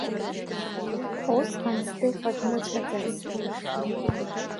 Усҟан Стефа дмыцәаӡацызт.